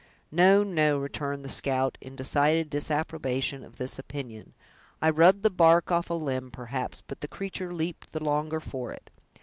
"No, no," returned the scout, in decided disapprobation of this opinion, "I rubbed the bark off a limb, perhaps, but the creature leaped the longer for it.